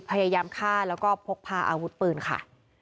พยายามฆ่าแล้วก็พกพาอาวุธปืนค่ะ